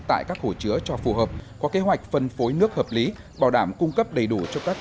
tại các hồ chứa cho phù hợp có kế hoạch phân phối nước hợp lý bảo đảm cung cấp đầy đủ cho các